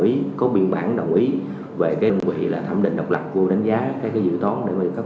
ý có biên bản đồng ý về cái đơn vị là thẩm định độc lập vô đánh giá cái cái dự tón để mình khắc